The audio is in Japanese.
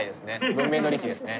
文明の利器ですね。